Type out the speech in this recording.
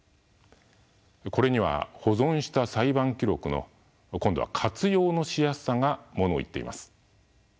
これには保存した裁判記録の今度は活用のしやすさがものを言っています。